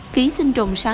ký sinh trùng sán lợn